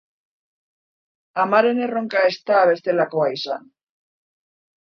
Amaren erronka ez da bestelakoa izan.